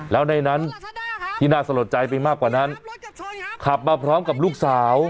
แล้วในนั้นที่น่าสะลดใจไปมากกว่านั้นขับมาพร้อมกับลูกสาว